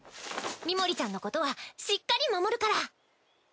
ミモリちゃんのことはしっかり守るから！